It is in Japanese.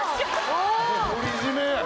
独り占め！